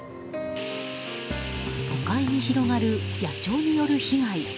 都会に広がる野鳥による被害。